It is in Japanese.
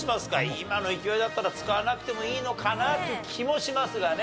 今の勢いだったら使わなくてもいいのかなっていう気もしますがね。